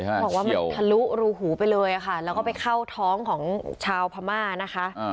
บอกว่ามันทะลุรูหูไปเลยค่ะแล้วก็ไปเข้าท้องของชาวพม่านะคะ